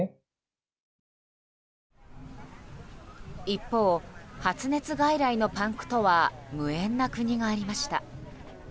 一方、発熱外来のパンクとは無縁な国がありました。